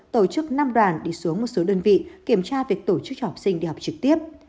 tổ chức năm đoàn đi xuống một số đơn vị kiểm tra việc tổ chức cho học sinh đi học trực tiếp